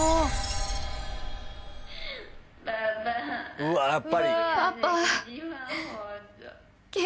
うわっやっぱり。